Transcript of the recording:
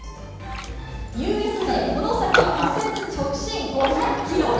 「ＵＳＪこの先右折直進５００ｋｍ」。